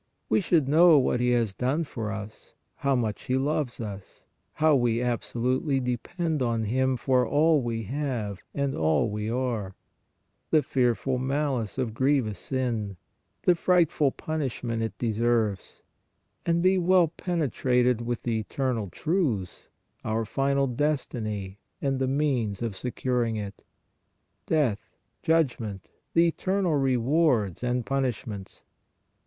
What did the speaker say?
We should know what He has done for us, how much He loves us, how we absolutely depend on Him for all we have and all we are, the fearful malice of grievous sin, the frightful punish ment it deserves, and be well penetrated with the eternal truths, our final destiny and the means of securing it, death, judgment, the eternal rewards and punishments.